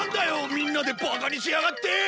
みんなでバカにしやがって！